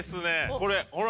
これほら！